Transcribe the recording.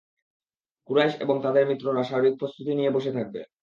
কুরাইশ এবং তাদের মিত্ররা সার্বিক প্রস্তুতি নিয়ে বসে থাকবে।